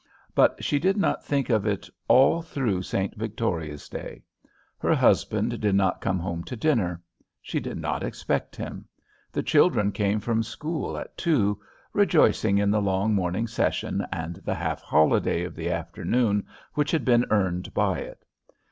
But she did not think of it all through St. Victoria's day. Her husband did not come home to dinner. She did not expect him. The children came from school at two, rejoicing in the long morning session and the half holiday of the afternoon which had been earned by it.